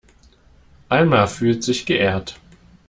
Alma fühlt sich geehrt.